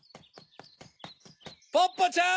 ポッポちゃん！